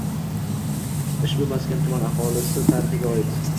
Ushbu maskan tuman aholisi tarixiga oid.